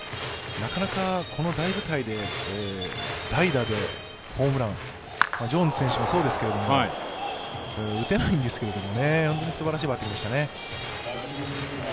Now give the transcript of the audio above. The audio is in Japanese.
なかなかこの大舞台で代打でホームラン、ジョーンズ選手もそうですけれども、打てないんですけれども、本当にすばらしいバッティングでしたね。